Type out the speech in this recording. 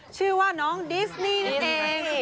ชื่อว่าน้องดิสนี่นั่นเอง